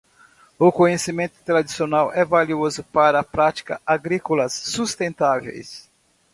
O conhecimento tradicional é valioso para práticas agrícolas sustentáveis.